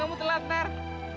kamu telat nert